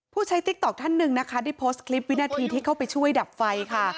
ใช้ติ๊กต๊อกท่านหนึ่งนะคะได้โพสต์คลิปวินาทีที่เข้าไปช่วยดับไฟค่ะ